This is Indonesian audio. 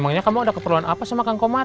emangnya kamu ada keperluan apa sama kang komar